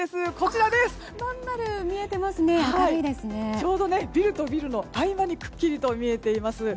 ちょうどビルとビルの間にくっきりと見えています。